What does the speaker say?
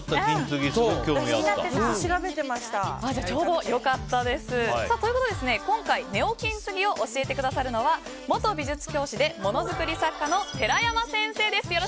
ちょうど良かったです。ということで、今回ネオ金継ぎを教えてくださるのは元美術教師で、ものづくり作家の寺山先生です。